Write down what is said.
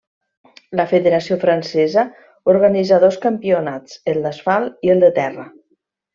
La Federació Francesa organitza dos campionats: el d'Asfalt i el de Terra.